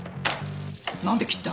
何で切った？